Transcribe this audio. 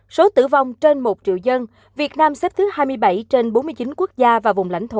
số tử vong trên một triệu dân việt nam xếp thứ hai mươi bảy trên bốn mươi chín quốc gia và vùng lãnh thổ